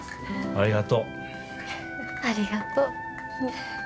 ありがとう。